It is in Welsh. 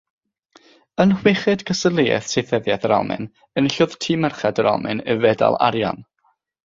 Yn chweched gystadleuaeth saethyddiaeth yr Almaen, enillodd tîm merched yr Almaen y fedal arian.